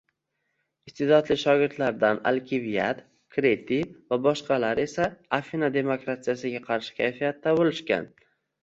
Iste’dodli shogirdlaridan Alkiviad, Kritiy va boshqalar esa Afina demokratiyasiga qarshi kayfiyatda bo‘lishgan